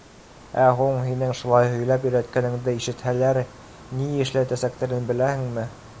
Ә һуң һинең шулай һөйләп өйрәткәнеңде ишетһәләр, ни эшләтәсәктәрен беләһеңме?